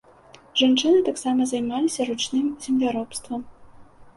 Жанчыны таксама займаліся ручным земляробствам.